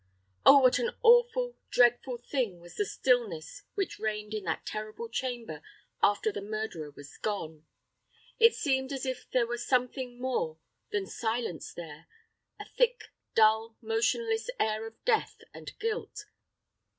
Oh, what an awful, dreadful thing was the stillness which reigned in that terrible chamber after the murderer was gone. It seemed as if there were something more than silence there a thick dull, motionless air of death and guilt.